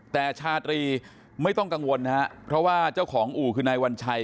แต่ชาตรีไม่ต้องกังวลนะครับเพราะว่าเจ้าของอู่คือนายวัญชัย